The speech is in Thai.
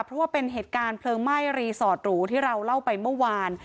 เพราะว่าเป็นเหตุการณ์เพลิงไหม้รีสอร์ตหรูที่เราเล่าไปเมื่อวาน